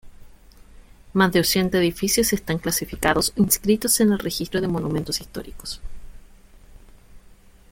Más de ochenta edificios están clasificados o inscritos en el registro de monumentos históricos.